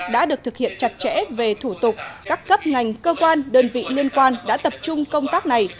đã được thực hiện chặt chẽ về thủ tục các cấp ngành cơ quan đơn vị liên quan đã tập trung công tác này